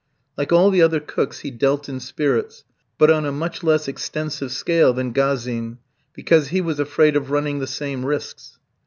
Like all the other cooks he dealt in spirits, but on a much less extensive scale than Gazin, because he was afraid of running the same risks.